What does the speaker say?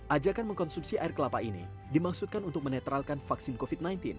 ajakan mengkonsumsi air kelapa ini dimaksudkan untuk menetralkan vaksin covid sembilan belas